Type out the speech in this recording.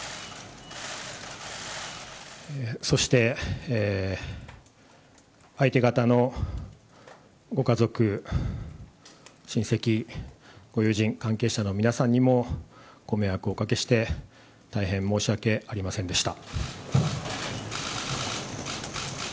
そして、相手方のご家族、親戚、ご友人、関係者の皆さんにもご迷惑をおかけして、大変申し訳ありませんでした。